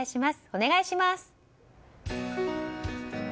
お願いします。